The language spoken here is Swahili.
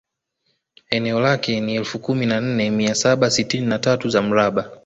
Eneo lake ni elfu kumi na nne mia saba sitini na tatu za mraba